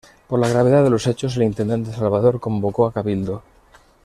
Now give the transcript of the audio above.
Por la gravedad de los hechos, el intendente Salvador convocó a cabildo.